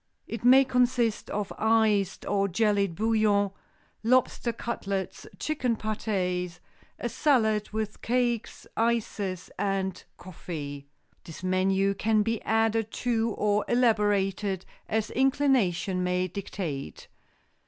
It may consist of iced or jellied bouillon, lobster cutlets, chicken pâtés, a salad, with cakes, ices and coffee. This menu can be added to or elaborated, as inclination may dictate.